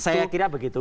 saya kira begitu